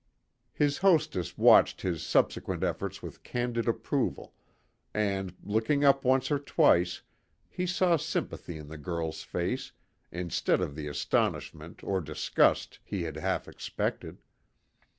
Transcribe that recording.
His hostess watched his subsequent efforts with candid approval, and, looking up once or twice, he saw sympathy in the girl's face, instead of the astonishment or disgust he had half expected.